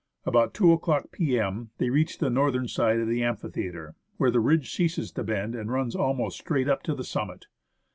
About 2 o'clock p.m. they reached the northern side of the amphitheatre, where the ridge ceases to bend and runs almost straight up to the summit.